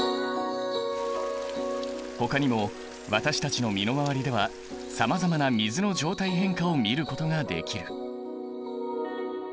ほかにも私たちの身の回りではさまざまな水の状態変化を見ることができる。